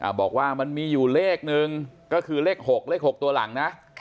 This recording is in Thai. บอกว่ามันมีอยู่เลขหนึ่งก็คือเลข๖เลข๖ตัวหลังนะ